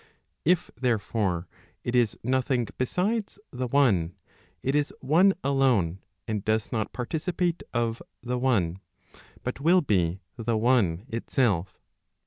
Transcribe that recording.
If, therefore, it is nothing besides the one , it is one alone, and does not participate of the one , but will be the one itself.